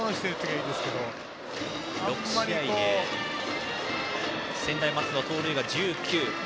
６試合で専大松戸盗塁が１９。